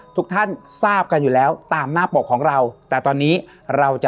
ทุกท่านทราบกันอยู่แล้วตามหน้าปกของเราแต่ตอนนี้เราจะ